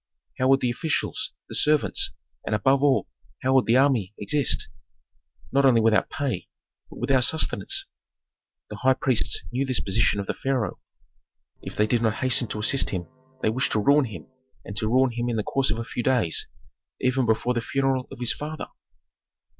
How would the officials, the servants, and above all how would the army, exist, not only without pay, but without sustenance? The high priests knew this position of the pharaoh if they did not hasten to assist him they wished to ruin him, and to ruin him in the course of a few days, even before the funeral of his father.